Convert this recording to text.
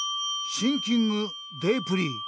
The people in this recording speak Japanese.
シンキングデープリー。